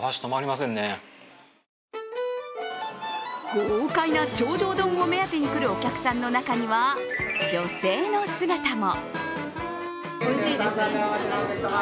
豪快な頂上丼を目当てに来るお客さんの中には女性の姿も。